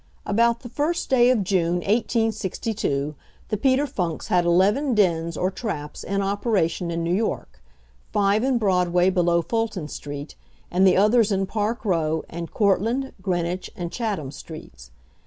About the first day of June, 1862, the Peter Funks had eleven dens, or traps, in operation in New York; five in Broadway below Fulton street, and the others in Park row, and Courtlandt, Greenwich, and Chatham streets.